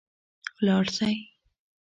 ولاړ سئ